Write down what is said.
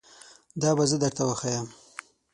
دا به زه درته وښایم